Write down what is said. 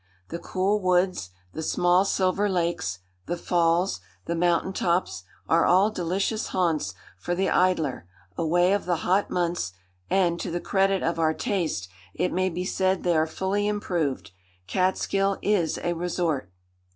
The cool woods, the small silver lakes, the falls, the mountain tops, are all delicious haunts for the idler away of the hot months; and, to the credit of our taste, it may be said they are fully improved—Catskill is a "resort."